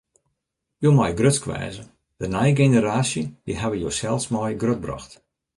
Jo meie grutsk wêze: dy nije generaasje, dy hawwe josels mei grutbrocht.